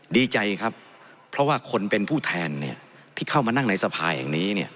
ดีใจครับเพราะว่าคนเป็นผู้แทนที่เข้ามานั่งในสภาแห่งนี้